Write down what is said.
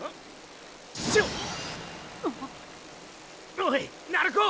おい鳴子ォ！